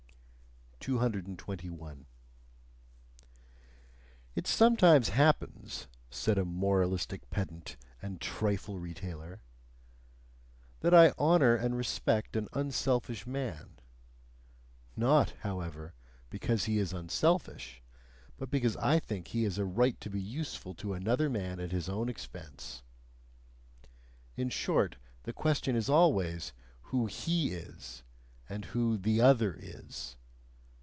221. "It sometimes happens," said a moralistic pedant and trifle retailer, "that I honour and respect an unselfish man: not, however, because he is unselfish, but because I think he has a right to be useful to another man at his own expense. In short, the question is always who HE is, and who THE OTHER is.